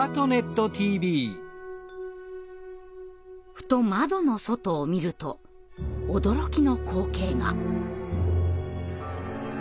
ふと窓の外を見ると驚きの光景が。